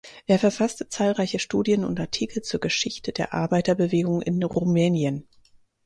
Er verfasste zahlreiche Studien und Artikel zur Geschichte der Arbeiterbewegung in Rumänien.